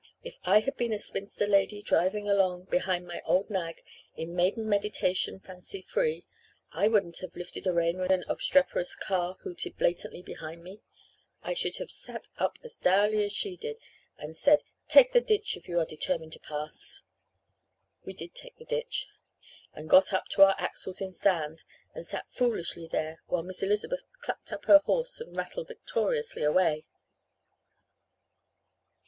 If I had been a spinster lady, driving along behind my own old nag, in maiden meditation fancy free, I wouldn't have lifted a rein when an obstreperous car hooted blatantly behind me. I should just have sat up as dourly as she did and said 'Take the ditch if you are determined to pass.' "We did take the ditch and got up to our axles in sand and sat foolishly there while Miss Elizabeth clucked up her horse and rattled victoriously away.